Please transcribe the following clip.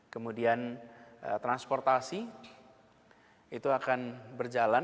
kemudian transportasi itu akan berjalan